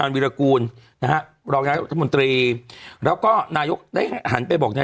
วิรากูลนะฮะรองนายรัฐมนตรีแล้วก็นายกได้หันไปบอกนาย